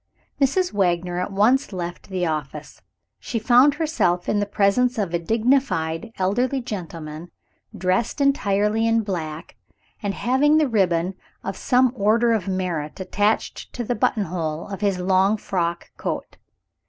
Mrs. Wagner at once left the office. She found herself in the presence of a dignified elderly gentleman, dressed entirely in black, and having the ribbon of some order of merit attached to the buttonhole of his long frock coat.